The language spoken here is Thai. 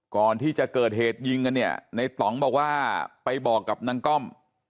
ก่อนที่จะเกิดเหตุยิงกันเนี่ยในต่องบอกว่าไปบอกกับนางก้อม